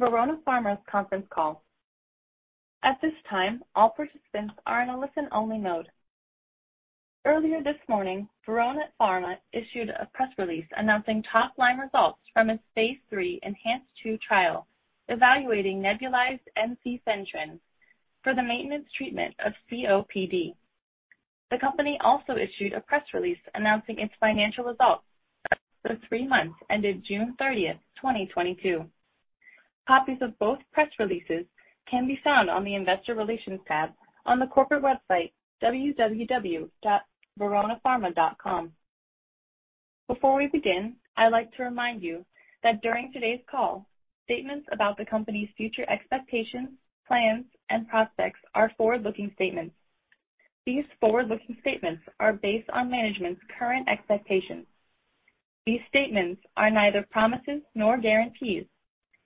Welcome to Verona Pharma's conference call. At this time, all participants are in a listen-only mode. Earlier this morning, Verona Pharma issued a press release announcing top-line results from its phase three ENHANCE-2 trial evaluating nebulized ensifentrine for the maintenance treatment of COPD. The company also issued a press release announcing its financial results for the three months ended June 30, 2022. Copies of both press releases can be found on the Investor Relations tab on the corporate website, veronapharma.com. Before we begin, I'd like to remind you that during today's call, statements about the company's future expectations, plans, and prospects are forward-looking statements. These forward-looking statements are based on management's current expectations. These statements are neither promises nor guarantees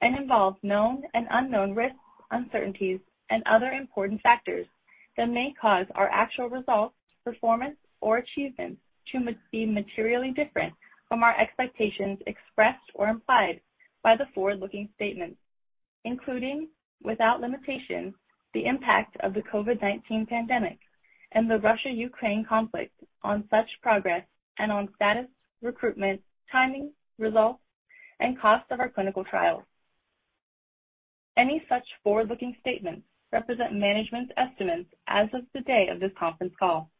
and involve known and unknown risks, uncertainties, and other important factors that may cause our actual results, performance, or achievements to be materially different from our expectations expressed or implied by the forward-looking statements, including, without limitation, the impact of the COVID-19 pandemic and the Russia/Ukraine conflict on such progress and on status, recruitment, timing, results, and cost of our clinical trials. Any such forward-looking statements represent management's estimates as of the day of this conference call.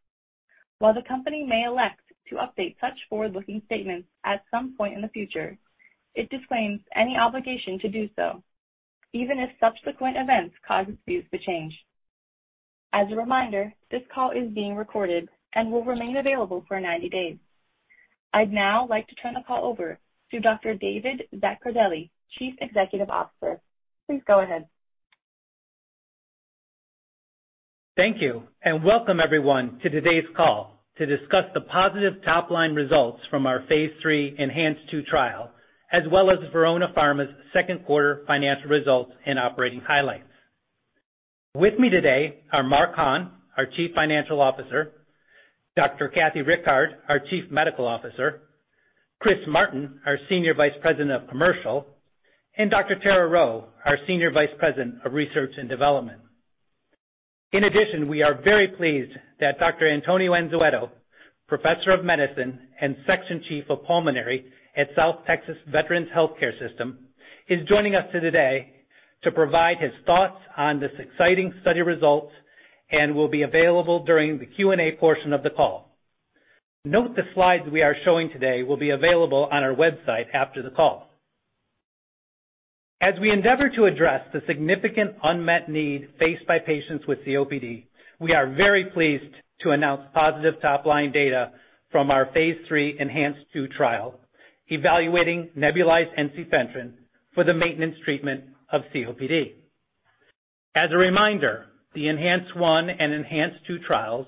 While the company may elect to update such forward-looking statements at some point in the future, it disclaims any obligation to do so, even if subsequent events cause its views to change. As a reminder, this call is being recorded and will remain available for ninety days. I'd now like to turn the call over to Dr. David Zaccardelli, Chief Executive Officer. Please go ahead. Thank you, and welcome everyone to today's call to discuss the positive top-line results from our Phase 3 ENHANCE two trial, as well as Verona Pharma's Q2 financial results and operating highlights. With me today are Mark Hahn, our Chief Financial Officer, Dr. Kathy Rickard, our Chief Medical Officer, Chris Martin, our Senior Vice President of Commercial, and Dr. Tara Rheault, our Senior Vice President of Research and Development. In addition, we are very pleased that Dr. Antonio Anzueto, Professor of Medicine and Section Chief of Pulmonary at South Texas Veterans Health Care System, is joining us today to provide his thoughts on this exciting study result and will be available during the Q&A portion of the call. Note the slides we are showing today will be available on our website after the call. As we endeavor to address the significant unmet need faced by patients with COPD, we are very pleased to announce positive top-line data from our Phase three ENHANCE-2 trial evaluating nebulized ensifentrine for the maintenance treatment of COPD. As a reminder, the ENHANCE-1 and ENHANCE-2 trials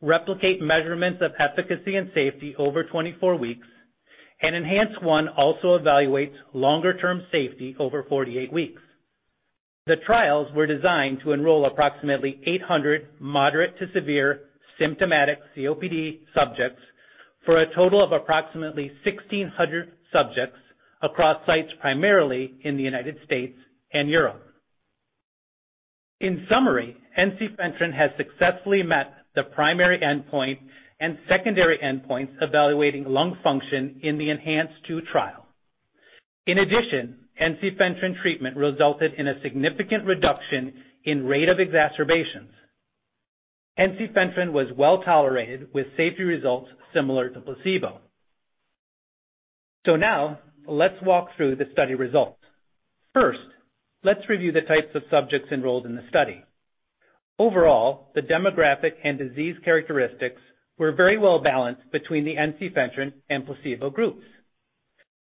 replicate measurements of efficacy and safety over 24 weeks, and ENHANCE-1 also evaluates longer-term safety over 48 weeks. The trials were designed to enroll approximately 800 moderate to severe symptomatic COPD subjects for a total of approximately 1,600 subjects across sites primarily in the United States and Europe. In summary, ensifentrine has successfully met the primary endpoint and secondary endpoints evaluating lung function in the ENHANCE-2 trial. In addition, ensifentrine treatment resulted in a significant reduction in rate of exacerbations. Ensifentrine was well-tolerated with safety results similar to placebo. Now let's walk through the study results. First, let's review the types of subjects enrolled in the study. Overall, the demographic and disease characteristics were very well balanced between the ensifentrine and placebo groups.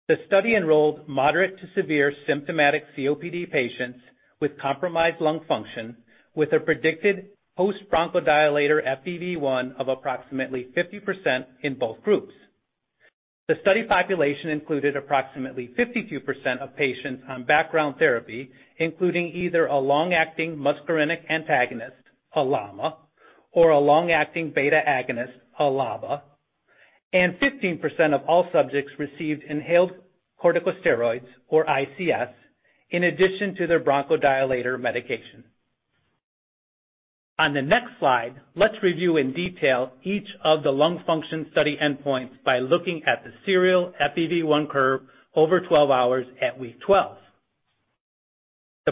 The study enrolled moderate to severe symptomatic COPD patients with compromised lung function with a predicted post-bronchodilator FEV1 of approximately 50% in both groups. The study population included approximately 52% of patients on background therapy, including either a long-acting muscarinic antagonist, a LAMA, or a long-acting beta agonist, a LABA, and 15% of all subjects received inhaled corticosteroids, or ICS, in addition to their bronchodilator medication. On the next slide, let's review in detail each of the lung function study endpoints by looking at the serial FEV1 curve over 12 hours at week 12.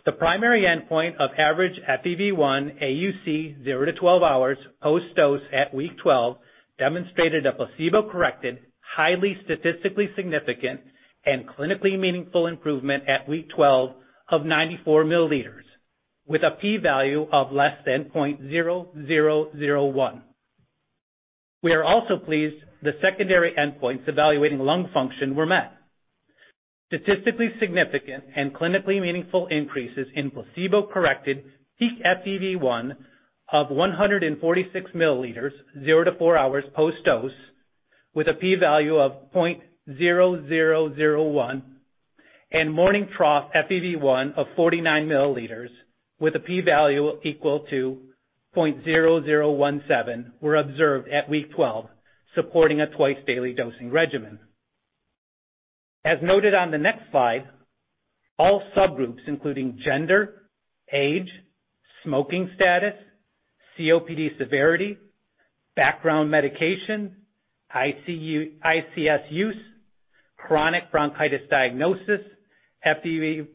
The primary endpoint of average FEV1 AUC 0-12 hours post-dose at week 12 demonstrated a placebo-corrected, highly statistically significant and clinically meaningful improvement at week 12 of 94 milliliters with a P-value of <0.0001. We are also pleased the secondary endpoints evaluating lung function were met. Statistically significant and clinically meaningful increases in placebo-corrected peak FEV1 of 146 milliliters 0-4 hours post-dose with a P-value of 0.0001 and morning trough FEV1 of 49 milliliters with a P-value = 0.017 were observed at week 12, supporting a twice daily dosing regimen. As noted on the next slide, all subgroups including gender, age, smoking status, COPD severity, background medication, ICS use, chronic bronchitis diagnosis, FEV1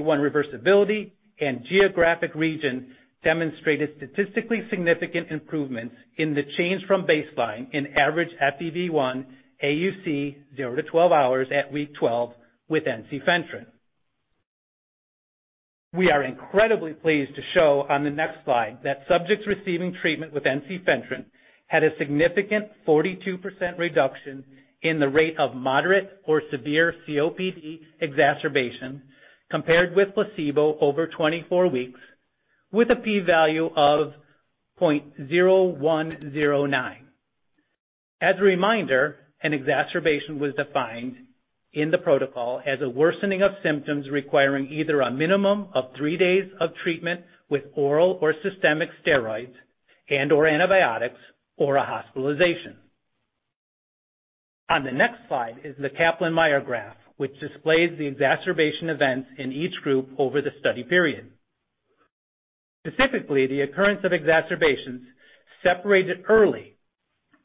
reversibility, and geographic region demonstrated statistically significant improvements in the change from baseline in average FEV1 AUC 0-12 hours at week 12 with ensifentrine. We are incredibly pleased to show on the next slide that subjects receiving treatment with ensifentrine had a significant 42% reduction in the rate of moderate or severe COPD exacerbation compared with placebo over 24 weeks with a P value of 0.0109. As a reminder, an exacerbation was defined in the protocol as a worsening of symptoms requiring either a minimum of three days of treatment with oral or systemic steroids and/or antibiotics or a hospitalization. On the next slide is the Kaplan-Meier graph, which displays the exacerbation events in each group over the study period. Specifically, the occurrence of exacerbations separated early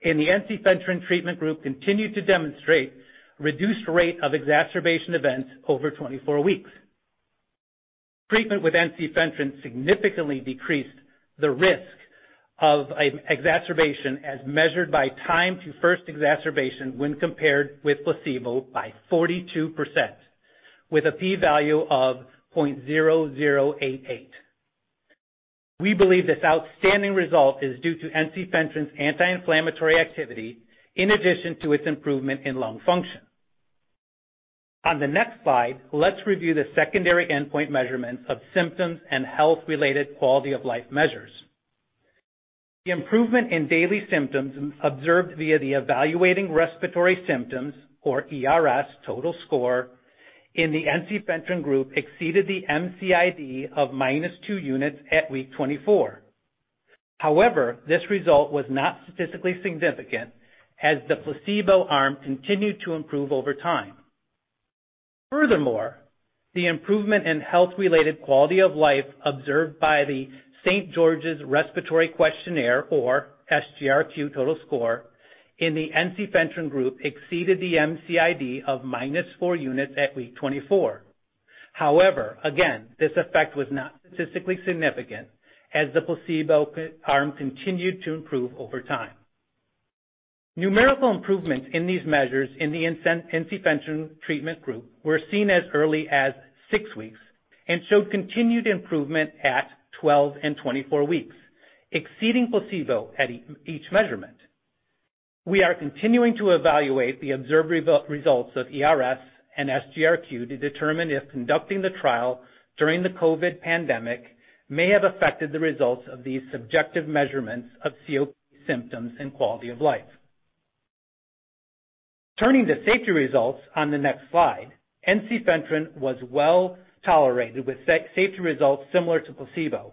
in the ensifentrine treatment group continued to demonstrate reduced rate of exacerbation events over 24 weeks. Treatment with ensifentrine significantly decreased the risk of an exacerbation as measured by time to first exacerbation when compared with placebo by 42% with a P value of 0.0088. We believe this outstanding result is due to ensifentrine's anti-inflammatory activity in addition to its improvement in lung function. On the next slide, let's review the secondary endpoint measurements of symptoms and health-related quality of life measures. The improvement in daily symptoms observed via the Evaluating Respiratory Symptoms or E-RS total score in the ensifentrine group exceeded the MCID of -2 units at week 24. However, this result was not statistically significant as the placebo arm continued to improve over time. Furthermore, the improvement in health-related quality of life observed by the St. George's Respiratory Questionnaire or SGRQ total score in the ensifentrine group exceeded the MCID of -4 units at week 24. However, again, this effect was not statistically significant as the placebo arm continued to improve over time. Numerical improvements in these measures in the ensifentrine treatment group were seen as early as 6 weeks and showed continued improvement at 12 and 24 weeks, exceeding placebo at each measurement. We are continuing to evaluate the observed results of E-RS and SGRQ to determine if conducting the trial during the COVID-19 pandemic may have affected the results of these subjective measurements of COPD symptoms and quality of life. Turning to safety results on the next slide, ensifentrine was well-tolerated with safety results similar to placebo,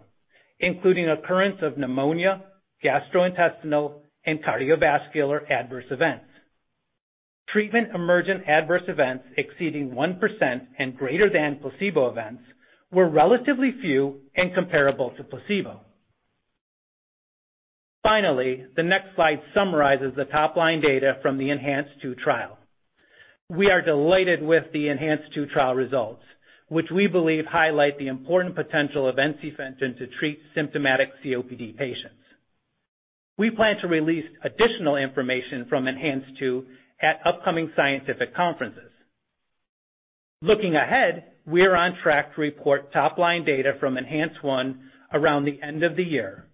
including occurrence of pneumonia, gastrointestinal, and cardiovascular adverse events. Treatment emergent adverse events exceeding 1% and greater than placebo events were relatively few and comparable to placebo. Finally, the next slide summarizes the top-line data from the ENHANCE-2 trial. We are delighted with the ENHANCE-2 trial results, which we believe highlight the important potential of ensifentrine to treat symptomatic COPD patients. We plan to release additional information from ENHANCE-2 at upcoming scientific conferences. Looking ahead, we are on track to report top-line data from ENHANCE-1 around the end of the year.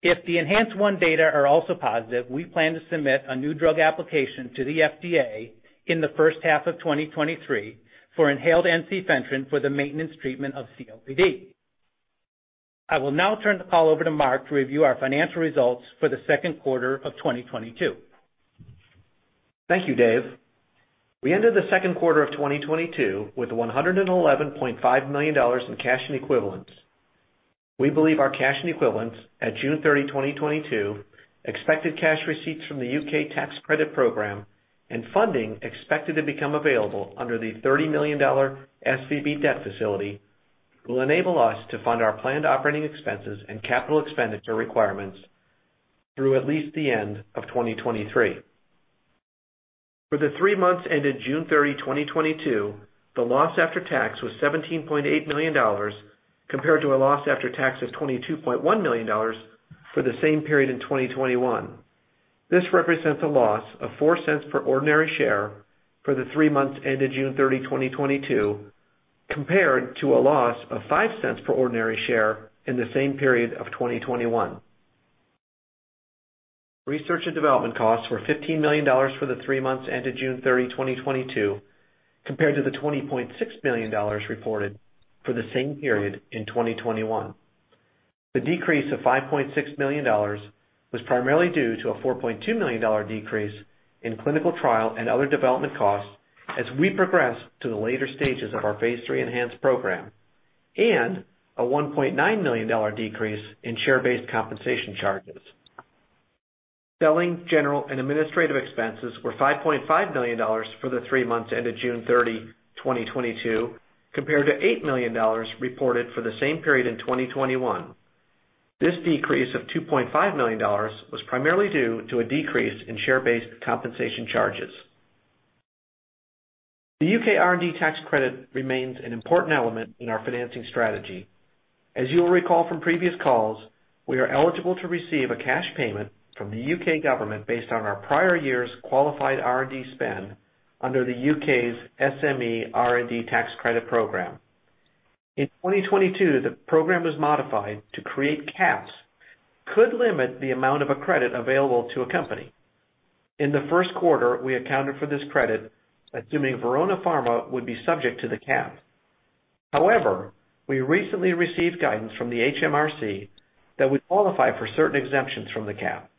If the ENHANCE-1 data are also positive, we plan to submit a new drug application to the FDA in the H1 of 2023 for inhaled ensifentrine for the maintenance treatment of COPD. I will now turn the call over to Mark to review our financial results for the Q2 of 2022. Thank you, Dave. We ended the Q2 of 2022 with $111.5 million in cash and equivalents. We believe our cash and equivalents at June 30, 2022, expected cash receipts from the UK tax credit program and funding expected to become available under the $30 million SVB debt facility will enable us to fund our planned operating expenses and capital expenditure requirements through at least the end of 2023. For the three months ended June 30, 2022, the loss after tax was $17.8 million compared to a loss after tax of $22.1 million for the same period in 2021. This represents a loss of $0.04 per ordinary share for the three months ended June 30, 2022, compared to a loss of $0.05 per ordinary share in the same period of 2021. Research and development costs were $15 million for the three months ended June 30, 2022, compared to the $20.6 million reported for the same period in 2021. The decrease of $5.6 million was primarily due to a $4.2 million decrease in clinical trial and other development costs. As we progress to the later stages of our phase 3 ENHANCE program, and a $1.9 million decrease in share-based compensation charges. Selling, general and administrative expenses were $5.5 million for the three months ended June 30, 2022, compared to $8 million reported for the same period in 2021. This decrease of $2.5 million was primarily due to a decrease in share-based compensation charges. The UK R&D tax credit remains an important element in our financing strategy. As you will recall from previous calls, we are eligible to receive a cash payment from the UK government based on our prior year's qualified R&D spend under the UK's SME R&D tax credit program. In 2022, the program was modified to create caps, could limit the amount of a credit available to a company. In the Q1, we accounted for this credit, assuming Verona Pharma would be subject to the cap. However, we recently received guidance from the HMRC that we qualify for certain exemptions from the cap.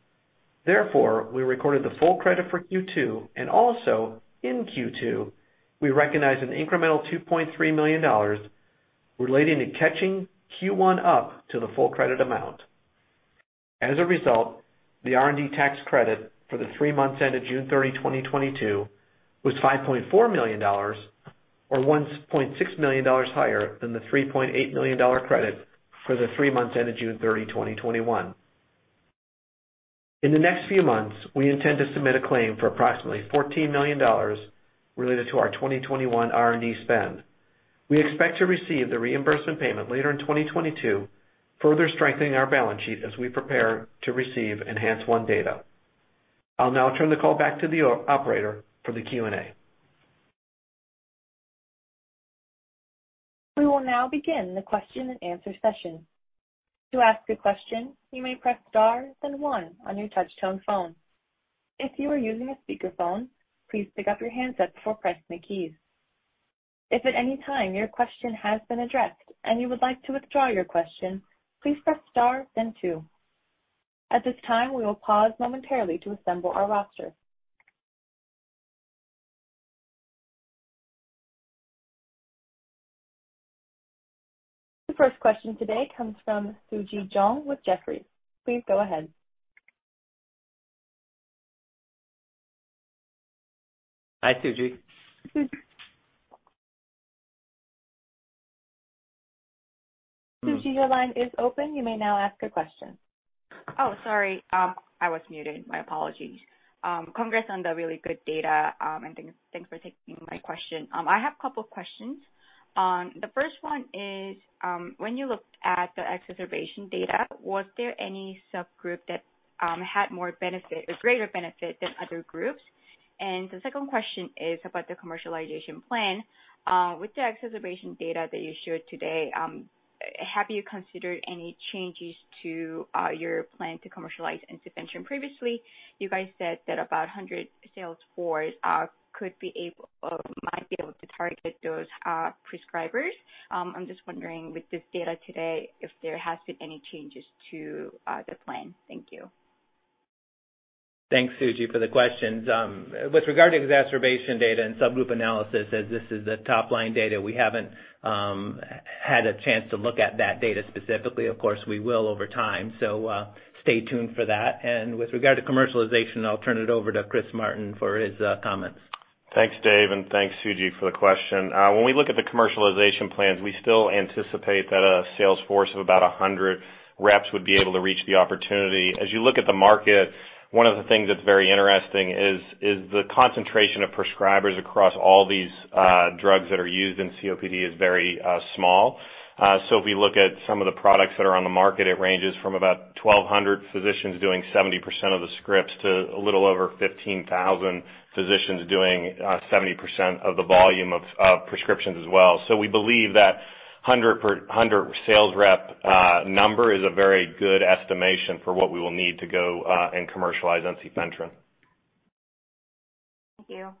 Therefore, we recorded the full credit for Q2, and also in Q2, we recognized an incremental $2.3 million relating to catching Q1 up to the full credit amount. As a result, the R&D tax credit for the three months ended June 30, 2022 was $5.4 million, or $1.6 million higher than the $3.8 million credit for the three months ended June 30, 2021. In the next few months, we intend to submit a claim for approximately $14 million related to our 2021 R&D spend. We expect to receive the reimbursement payment later in 2022, further strengthening our balance sheet as we prepare to receive ENHANCE one data. I'll now turn the call back to the operator for the Q&A. We will now begin the question and answer session. To ask a question, you may press star then one on your touch tone phone. If you are using a speakerphone, please pick up your handset before pressing the keys. If at any time your question has been addressed and you would like to withdraw your question, please press star then two. At this time, we will pause momentarily to assemble our roster. The first question today comes from Suji Jeong with Jefferies. Please go ahead. Hi, Suji. Suji, your line is open. You may now ask a question. Oh, sorry. I was muted. My apologies. Congrats on the really good data, and thanks for taking my question. I have a couple questions. The first one is, when you looked at the exacerbation data, was there any subgroup that had more benefit or greater benefit than other groups? The second question is about the commercialization plan. With the exacerbation data that you showed today, have you considered any changes to your plan to commercialize ensifentrine? Previously, you guys said that about 100 sales force could be able or might be able to target those prescribers. I'm just wondering with this data today, if there has been any changes to the plan. Thank you. Thanks, Suji, for the questions. With regard to exacerbation data and subgroup analysis, as this is the top-line data, we haven't had a chance to look at that data specifically. Of course, we will over time. Stay tuned for that. With regard to commercialization, I'll turn it over to Chris Martin for his comments. Thanks, Dave, and thanks, Suji, for the question. When we look at the commercialization plans, we still anticipate that a sales force of about 100 reps would be able to reach the opportunity. As you look at the market, one of the things that's very interesting is the concentration of prescribers across all these drugs that are used in COPD is very small. If you look at some of the products that are on the market, it ranges from about 1,200 physicians doing 70% of the scripts to a little over 15,000 physicians doing 70% of the volume of prescriptions as well. We believe that 100 sales rep number is a very good estimation for what we will need to go and commercialize ensifentrine. Thank you.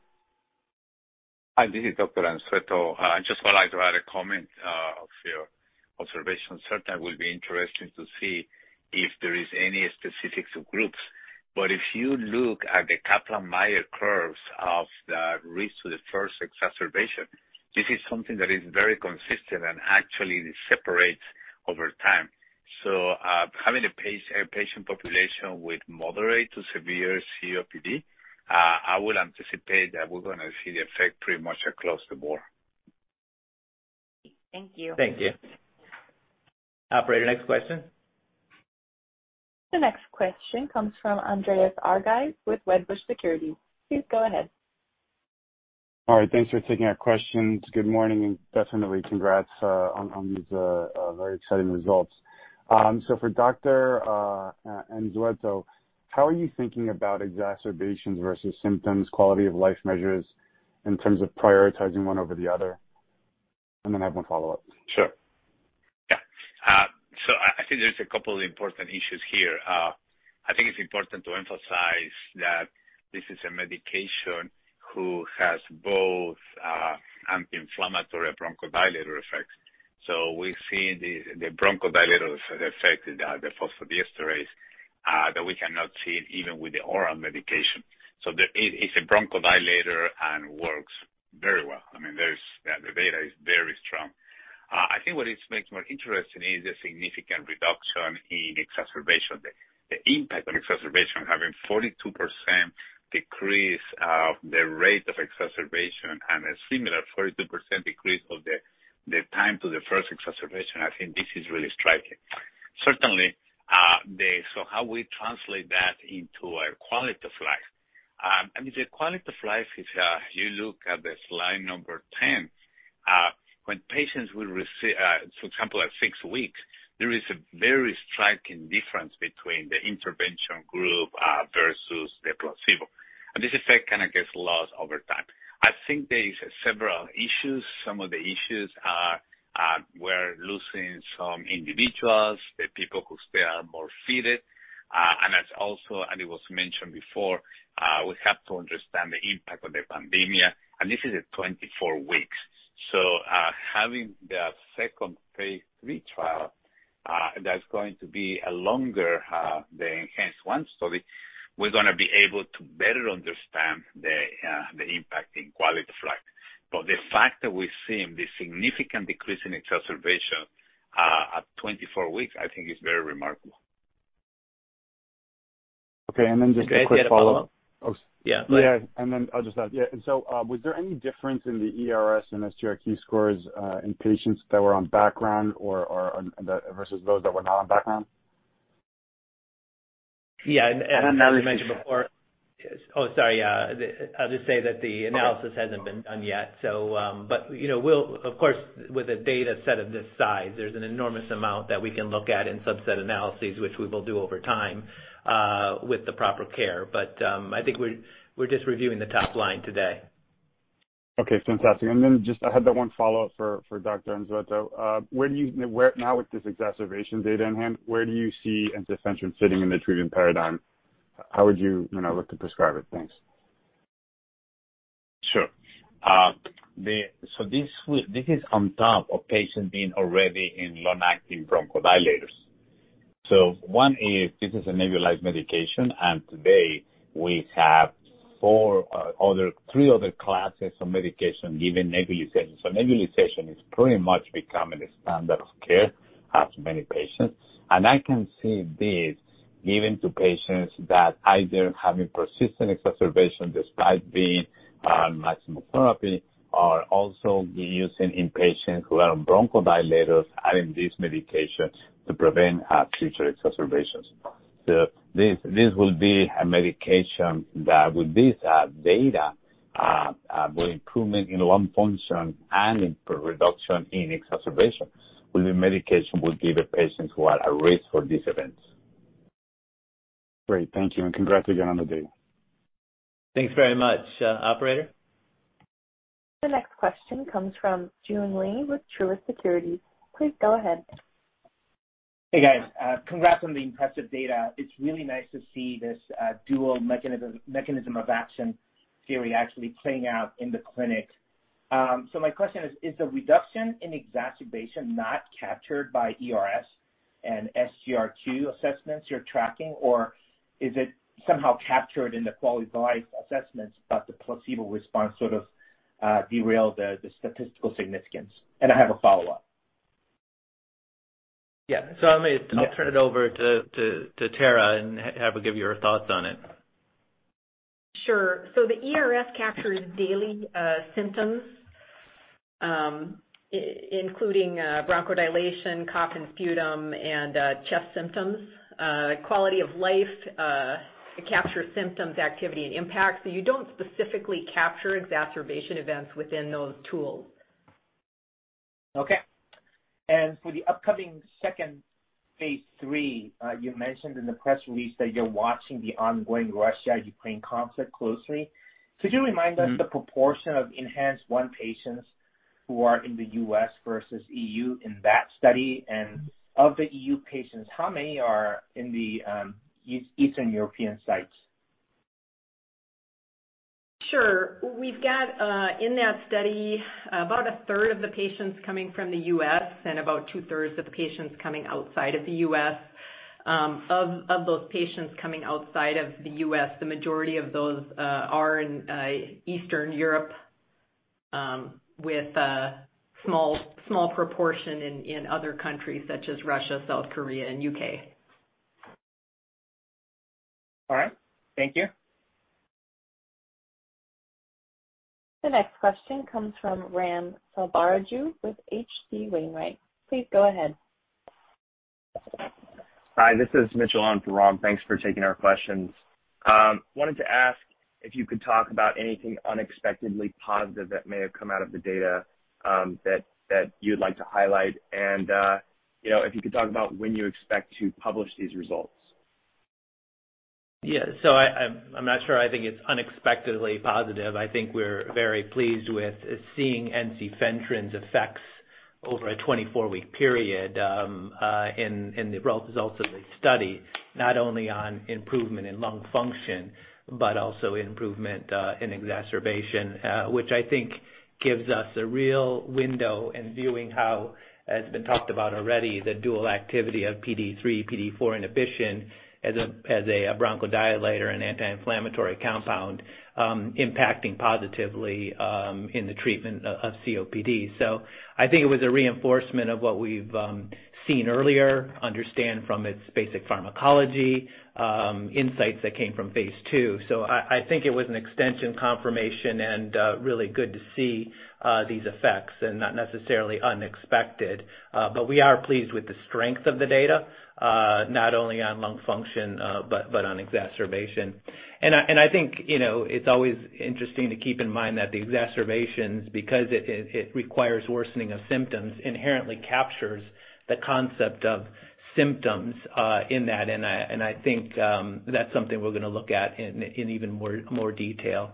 Hi, this is Dr. Anzueto. I just would like to add a comment of your observation. Certainly, it will be interesting to see if there is any specifics of groups. If you look at the Kaplan-Meier curves of the risk to the first exacerbation, this is something that is very consistent and actually separates over time. Having a patient population with moderate to severe COPD, I would anticipate that we're gonna see the effect pretty much across the board. Thank you. Thank you. Operator, next question. The next question comes from Andreas Argyrides with Wedbush Securities. Please go ahead. All right. Thanks for taking our questions. Good morning, and definitely congrats on these very exciting results. For Dr. Anzueto, how are you thinking about exacerbations versus symptoms, quality of life measures in terms of prioritizing one over the other? I have one follow-up. Sure. Yeah. I think there's a couple of important issues here. I think it's important to emphasize that this is a medication who has both, anti-inflammatory bronchodilator effects. We see the bronchodilator effect, the phosphodiesterase, that we cannot see it even with the oral medication. It is a bronchodilator and works very well. I mean, the data is very strong. I think what makes more interesting is the significant reduction in exacerbation. The impact on exacerbation having 42% decrease, the rate of exacerbation and a similar 42% decrease of the time to the first exacerbation, I think this is really striking. Certainly. How we translate that into a quality of life. I mean, the quality of life is, you look at the slide number 10. For example, at six weeks, there is a very striking difference between the intervention group versus the placebo. This effect kind of gets lost over time. I think there is several issues. Some of the issues are we're losing some individuals, the people who they are more fitted, and it was mentioned before, we have to understand the impact of the pandemic, and this is at 24 weeks. Having the second phase three trial that's going to be longer, the ENHANCE-1 study, we're gonna be able to better understand the impact in quality of life. The fact that we're seeing the significant decrease in exacerbation at 24 weeks, I think is very remarkable. Okay. Just a quick follow-up. Greg, do you have a follow-up? Oh. Yeah. Was there any difference in the E-RS and SGRQ scores in patients that were on background versus those that were not on background? Yeah. As we mentioned before. And then analysis- Oh, sorry. Just say that the analysis hasn't been done yet, so, but you know, we'll of course, with a dataset of this size, there's an enormous amount that we can look at in subset analyses, which we will do over time, with the proper care. I think we're just reviewing the top line today. Okay. Fantastic. Just I had that one follow-up for Dr. Anzueto. Now with this exacerbation data in hand, where do you see ensifentrin sitting in the treatment paradigm? How would you know, look to prescribe it? Thanks. Sure. This is on top of patients being already in long-acting bronchodilators. One is this is a nebulized medication, and today we have three other classes of medication given nebulization. Nebulization is pretty much becoming a standard of care to many patients. I can see this given to patients that either having persistent exacerbation despite being on maximal therapy, or also be used in patients who are on bronchodilators adding this medication to prevent future exacerbations. This will be a medication that with this data will improvement in lung function and in reduction in exacerbation, will be medication we'll give the patients who are at risk for these events. Great. Thank you, and congrats again on the day. Thanks very much. Operator? The next question comes from Joon Lee with Truist Securities. Please go ahead. Hey, guys. Congrats on the impressive data. It's really nice to see this dual mechanism of action theory actually playing out in the clinic. My question is the reduction in exacerbation not captured by E-RS and SGRQ assessments you're tracking, or is it somehow captured in the quality of life assessments, but the placebo response sort of derailed the statistical significance? I have a follow-up. Yeah. Yeah. I'll turn it over to Tara and have her give you her thoughts on it. Sure. The E-RS captures daily symptoms, including bronchodilation, cough and sputum and chest symptoms. Quality of life, it captures symptoms, activity and impact. You don't specifically capture exacerbation events within those tools. Okay. For the upcoming second phase three, you mentioned in the press release that you're watching the ongoing Russia-Ukraine conflict closely. Could you remind us- Mm-hmm. The proportion of ENHANCE-1 patients who are in the U.S. versus EU in that study? And of the EU patients, how many are in the Eastern European sites? Sure. We've got in that study about a third of the patients coming from the U.S. and about two-thirds of the patients coming outside of the U.S. Of those patients coming outside of the U.S., the majority of those are in Eastern Europe with a small proportion in other countries such as Russia, South Korea and U.K. All right. Thank you. The next question comes from Ram Selvaraju with H.C. Wainwright & Co. Please go ahead. Hi, this is Mitchell on for Ram. Thanks for taking our questions. Wanted to ask if you could talk about anything unexpectedly positive that may have come out of the data, that you'd like to highlight. You know, if you could talk about when you expect to publish these results. Yeah. I'm not sure I think it's unexpectedly positive. I think we're very pleased with seeing ensifentrine's effects over a 24-week period, in the results of the study, not only on improvement in lung function but also improvement in exacerbation, which I think gives us a real window in viewing how it's been talked about already, the dual activity of PDE3, PDE4 inhibition as a bronchodilator and anti-inflammatory compound, impacting positively in the treatment of COPD. I think it was a reinforcement of what we've seen earlier, understand from its basic pharmacology, insights that came from phase 2. I think it was an extension confirmation and really good to see these effects and not necessarily unexpected. We are pleased with the strength of the data, not only on lung function, but on exacerbation. I think, you know, it's always interesting to keep in mind that the exacerbations, because it requires worsening of symptoms, inherently captures the concept of symptoms in that. I think that's something we're gonna look at in even more detail.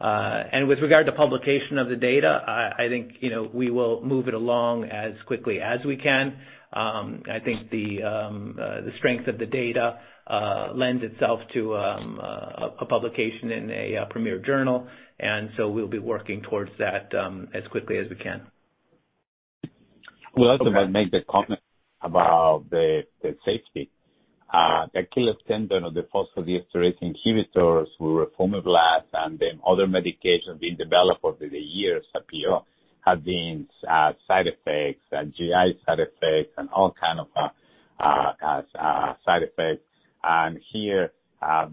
With regard to publication of the data, I think, you know, we will move it along as quickly as we can. I think the strength of the data lends itself to a publication in a premier journal, and so we'll be working towards that as quickly as we can. Well, let me make the comment about the safety. The Achilles heel of the phosphodiesterase inhibitors were Formoterol and then other medications being developed over the years, uncertain, have been side effects and GI side effects and all kind of side effects. Here,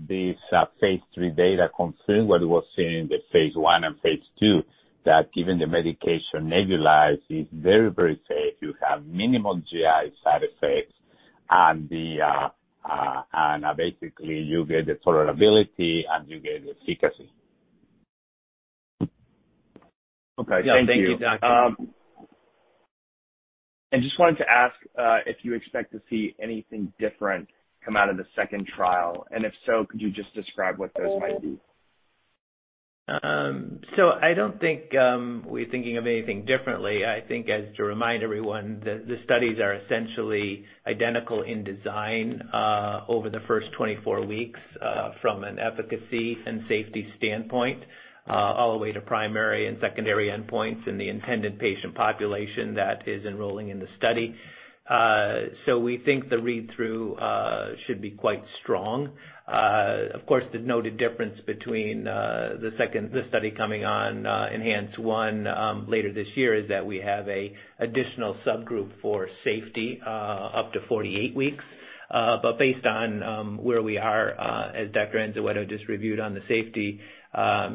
these phase three data confirm what it was seen in the phase one and phase two, that given the medication nebulized is very, very safe. You have minimal GI side effects and basically you get the tolerability and you get the efficacy. Okay. Thank you. Yeah. Thank you, doctor. I just wanted to ask if you expect to see anything different come out of the second trial, and if so, could you just describe what those might be? I don't think we're thinking of anything differently. I think as to remind everyone that the studies are essentially identical in design over the first 24 weeks from an efficacy and safety standpoint all the way to primary and secondary endpoints in the intended patient population that is enrolling in the study. We think the read-through should be quite strong. Of course, the noted difference between the second study coming on ENHANCE-1 later this year is that we have a additional subgroup for safety up to 48 weeks. Based on where we are as Dr. Anzueto just reviewed on the safety,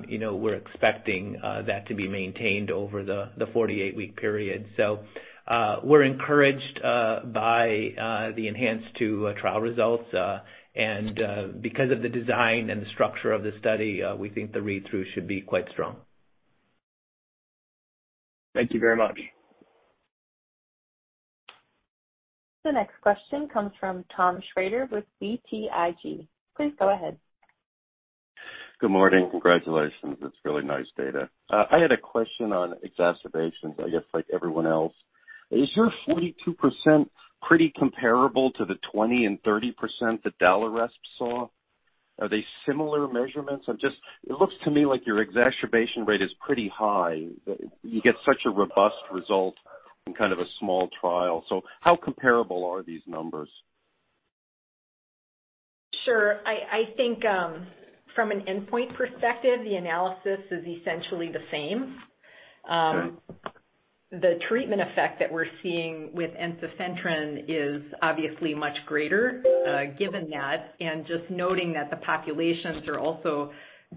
you know, we're expecting that to be maintained over the 48 week period. We're encouraged by the ENHANCE-2 trial results, and because of the design and the structure of the study, we think the read-through should be quite strong. Thank you very much. The next question comes from Tom Shrader with BTIG. Please go ahead. Good morning. Congratulations. It's really nice data. I had a question on exacerbations, I guess like everyone else. Is your 42% pretty comparable to the 20% and 30% that Daliresp saw? Are they similar measurements? I'm just. It looks to me like your exacerbation rate is pretty high. You get such a robust result in kind of a small trial. How comparable are these numbers? Sure. I think from an endpoint perspective, the analysis is essentially the same. The treatment effect that we're seeing with ensifentrine is obviously much greater, given that and just noting that the populations are also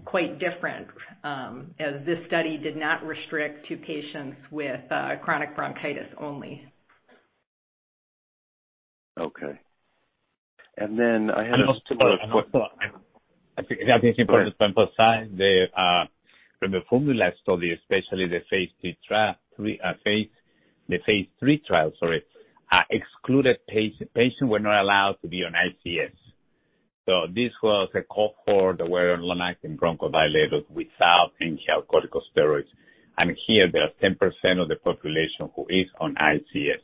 quite different, as this study did not restrict to patients with chronic bronchitis only. Okay. I had two more questions. I think it's important to emphasize, from the Formoterol study, especially the phase three trial excluded patients were not allowed to be on ICS. This was a cohort where long-acting bronchodilator without inhaled corticosteroids, and here there are 10% of the population who is on ICS.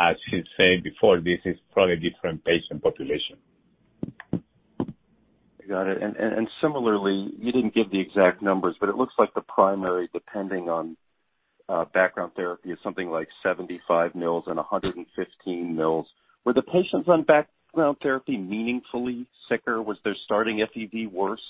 As you said before, this is probably different patient population. Got it. Similarly, you didn't give the exact numbers, but it looks like the primary, depending on background therapy, is something like 75 mL and 115 mL. Were the patients on background therapy meaningfully sicker? Was their starting FEV1 worse?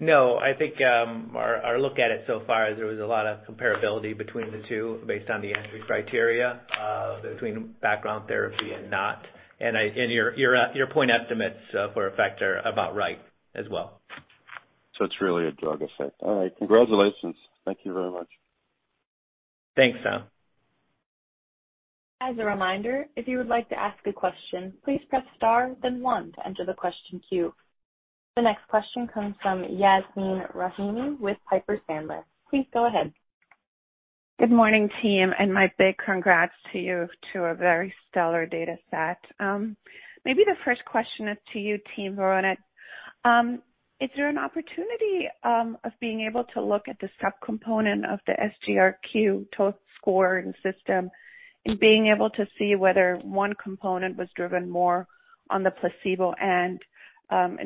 No. I think, our look at it so far is there was a lot of comparability between the two based on the entry criteria, between background therapy and not. Your point estimates in fact are about right as well. It's really a drug effect. All right. Congratulations. Thank you very much. Thanks, Tom. As a reminder, if you would like to ask a question, please press star then one to enter the question queue. The next question comes from Yasmeen Rahimi with Piper Sandler. Please go ahead. Good morning, team, and my big congrats to you to a very stellar data set. Maybe the first question is to you, team Verona. Is there an opportunity of being able to look at the subcomponent of the SGRQ total score and system in being able to see whether one component was driven more on the placebo and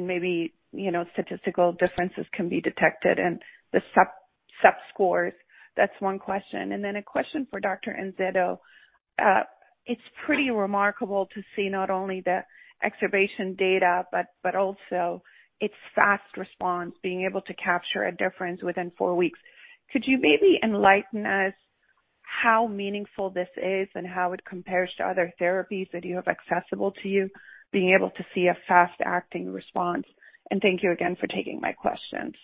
maybe, you know, statistical differences can be detected in the sub scores? That's one question. Then a question for Dr. Anzueto. It's pretty remarkable to see not only the exacerbation data, but also its fast response, being able to capture a difference within four weeks. Could you maybe enlighten us how meaningful this is and how it compares to other therapies that you have accessible to you, being able to see a fast-acting response? Thank you again for taking my questions.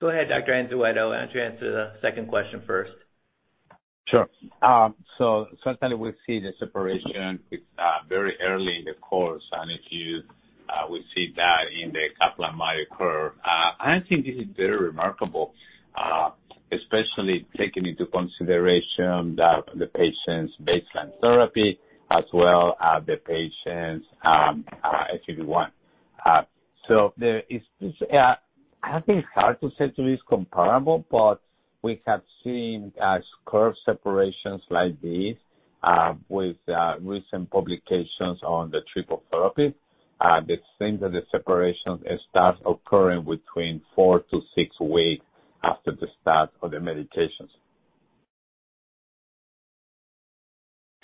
Go ahead, Dr. Anzueto. Why don't you answer the second question first? Sure. Sometimes we see the separation, it's very early in the course, and if you will see that in the Kaplan-Meier curve. I think this is very remarkable, especially taking into consideration that the patient's baseline therapy as well as the patient's FEV1. I think it's hard to say too is comparable, but we have seen curve separations like this with recent publications on the triple therapy. The same data separation starts occurring between four-six weeks after the start of the medications.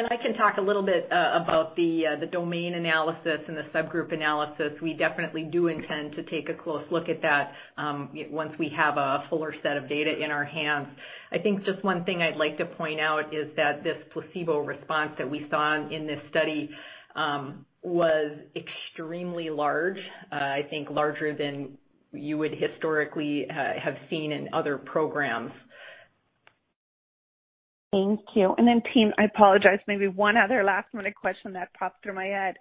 I can talk a little bit about the domain analysis and the subgroup analysis. We definitely do intend to take a close look at that, once we have a fuller set of data in our hands. I think just one thing I'd like to point out is that this placebo response that we saw in this study was extremely large. I think larger than you would historically have seen in other programs. Thank you. Team, I apologize, maybe one other last-minute question that popped into my head.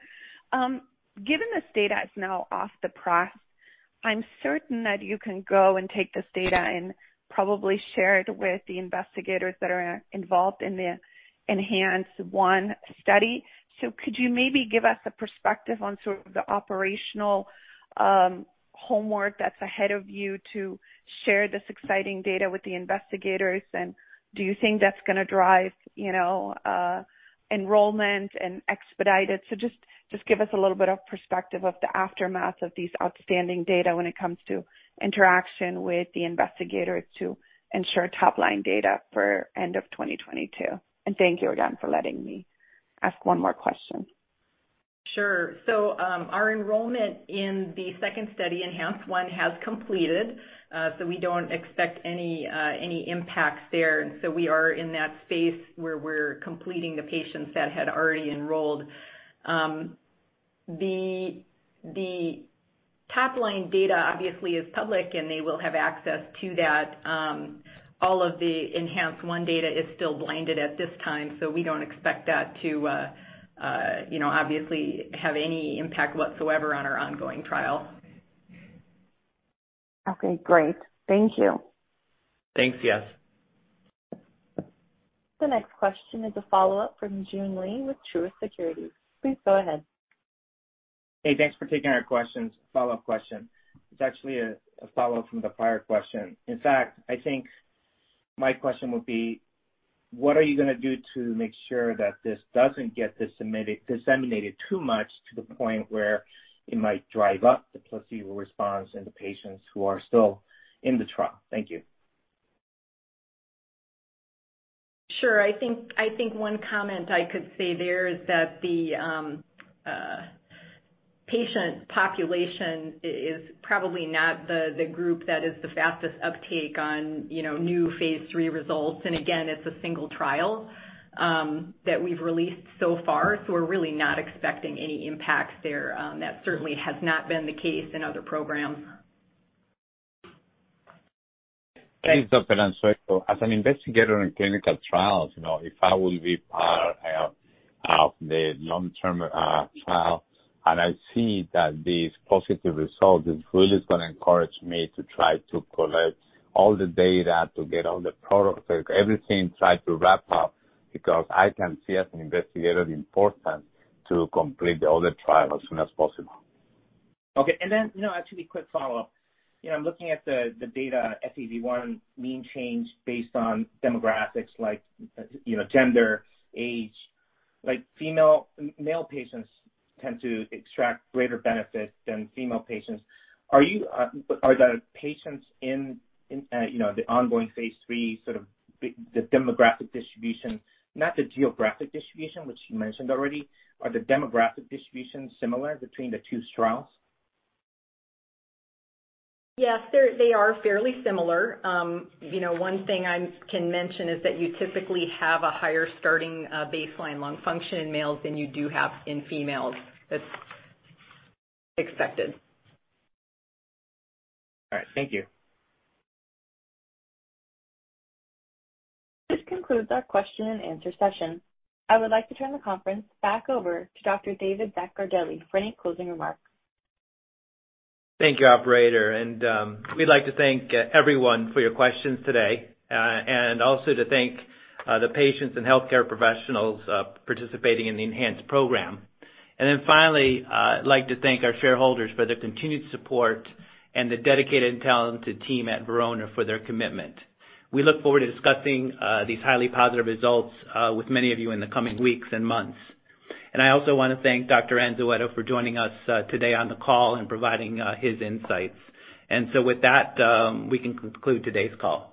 Given this data is now hot off the press, I'm certain that you can go and take this data and probably share it with the investigators that are involved in the ENHANCE-1 study. Could you maybe give us a perspective on sort of the operational homework that's ahead of you to share this exciting data with the investigators? Do you think that's gonna drive, you know, enrollment and expedite it? Just give us a little bit of perspective of the aftermath of these outstanding data when it comes to interaction with the investigators to ensure top-line data for end of 2022. Thank you again for letting me ask one more question. Sure. Our enrollment in the second study, ENHANCE-1, has completed. We don't expect any impacts there. We are in that space where we're completing the patients that had already enrolled. The top-line data obviously is public, and they will have access to that. All of the ENHANCE-1 data is still blinded at this time, so we don't expect that to, you know, obviously have any impact whatsoever on our ongoing trial. Okay, great. Thank you. Thanks, yes. The next question is a follow-up from Joon Lee with Truist Securities. Please go ahead. Hey, thanks for taking our questions. A follow-up question. It's actually a follow-up from the prior question. In fact, I think my question would be: What are you gonna do to make sure that this doesn't get disseminated too much to the point where it might drive up the placebo response in the patients who are still in the trial? Thank you. Sure. I think one comment I could say there is that the patient population is probably not the group that is the fastest uptake on, you know, new phase three results. Again, it's a single trial that we've released so far, so we're really not expecting any impacts there. That certainly has not been the case in other programs. This is Dr. Anzueto. As an investigator in clinical trials, you know, if I will be part of the long-term trial, and I see that these positive results, it really is gonna encourage me to try to collect all the data, to get all the protocols, everything, try to wrap up, because I can see as an investigator the importance to complete the other trial as soon as possible. Okay. You know, actually quick follow-up. You know, I'm looking at the data FEV1 mean change based on demographics like, you know, gender, age. Like male patients tend to extract greater benefits than female patients. Are the patients in you know, the ongoing phase three, sort of the demographic distribution, not the geographic distribution which you mentioned already. Are the demographic distributions similar between the two trials? Yes. They are fairly similar. You know, one thing I can mention is that you typically have a higher starting baseline lung function in males than you do have in females. That's expected. All right. Thank you. This concludes our question and answer session. I would like to turn the conference back over to Dr. David Zaccardelli for any closing remarks. Thank you, operator. We'd like to thank everyone for your questions today. To thank the patients and healthcare professionals participating in the ENHANCE program. Finally, I'd like to thank our shareholders for their continued support and the dedicated and talented team at Verona for their commitment. We look forward to discussing these highly positive results with many of you in the coming weeks and months. I also wanna thank Dr. Anzueto for joining us today on the call and providing his insights. With that, we can conclude today's call.